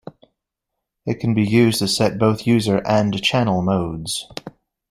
It can be used to set both user and channel modes.